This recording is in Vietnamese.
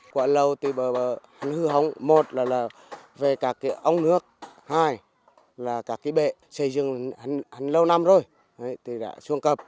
quá lâu thì hư hỏng một là về các cái ống nước hai là các cái bể xây dựng lâu năm rồi thì đã xuống cấp